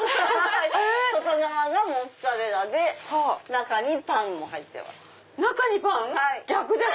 外側がモッツァレラで中にパンも入ってます。